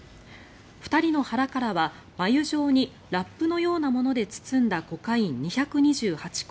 ２人の腹からは繭状にラップのようなもので包んだコカイン２２８個